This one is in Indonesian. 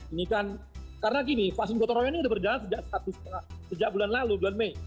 ini kan karena gini vaksin gotong royong ini sudah berjalan sejak bulan lalu bulan mei